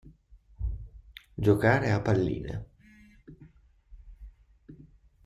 Giocare a palline.